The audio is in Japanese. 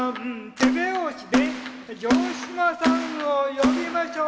手拍子で城島さんを呼びましょう。